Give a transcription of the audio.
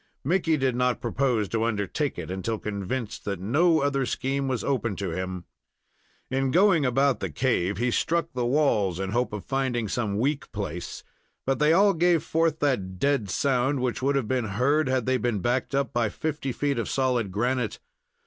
Mickey did not propose to undertake it until convinced that no other scheme was open to him. In going about the cave, he struck the walls in the hope of finding some weak place, but they all gave forth that dead sound which would have been heard had they been backed up by fifty feet of solid granite.